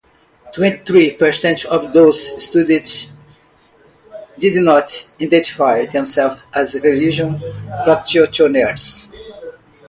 Twenty-three percent of those studied did not identify themselves as religious practitioners.